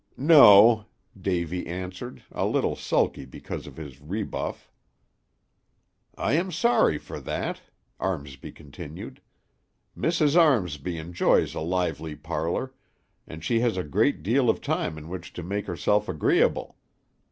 "No," Davy answered, a little sulky because of his rebuff. "I am sorry for that," Armsby continued. "Mrs. Armsby enjoys a lively parlor, and she has a great deal of time in which to make herself agreeable.